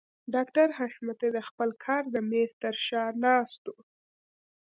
ډاکټر حشمتي د خپل کار د مېز تر شا ناست و.